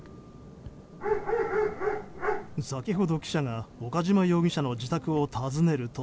先ほど記者が岡島容疑者の自宅を訪ねると。